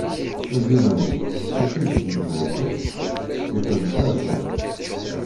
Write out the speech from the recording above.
Azul a mmi! D acu i k-id-yuwin akka? Yak d lxir kan.